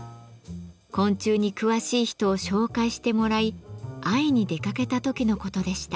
昆虫に詳しい人を紹介してもらい会いに出かけた時のことでした。